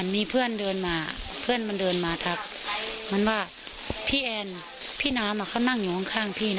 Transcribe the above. มีเพื่อนเดินมาเพื่อนมันเดินมาทักมันว่าพี่แอนพี่น้ำเขานั่งอยู่ข้างพี่นะ